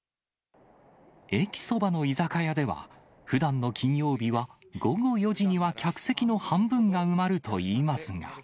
駅そばの居酒屋では、ふだんの金曜日は、午後４時には客席の半分が埋まるといいますが。